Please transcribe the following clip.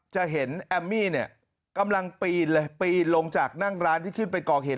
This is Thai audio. จะเห็นแอมมี่เนี่ยกำลังปีนเลยปีนลงจากนั่งร้านที่ขึ้นไปก่อเหตุ